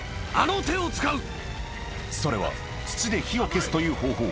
それは土で火を消すという方法